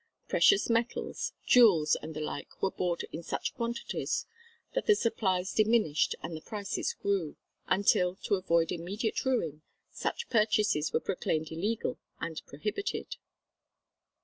Precious metals, jewels, and such like were bought in such quantities that the supplies diminished and the prices grew, until to avoid immediate ruin, such purchases were proclaimed illegal and prohibited.